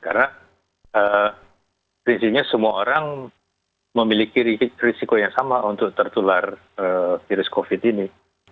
karena prinsipnya semua orang memiliki risiko yang sama untuk tertular virus covid ini